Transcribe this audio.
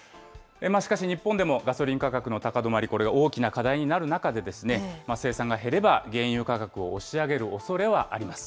しかし日本でもガソリン価格の高止まり、これが大きな課題となる中で、生産が減れば、原油価格を押し上げるおそれはあります。